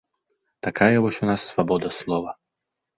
Такая вось у нас свабода слова.